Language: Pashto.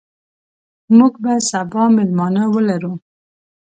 موږ به سبا میلمانه ولرو.